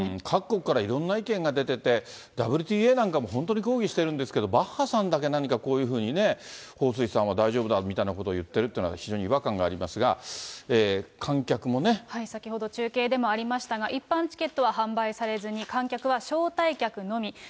各国からいろんな意見が出てて、ＷＴＡなんかも本当に抗議してるんですけど、バッハさんだけ何かこういうふうにね、彭帥さんは大丈夫だみたいなことを言ってるっていうのは、非常に先ほど中継でもありましたが、一般チケットは販売されずに、観客は招待客のみ。